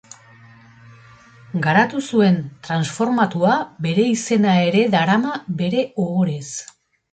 Garatu zuen transformatua bere izena ere darama bere ohorez.